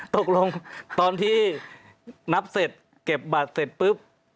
ตอนที่นับเสร็จเก็บบัตรเสร็จปุ๊บ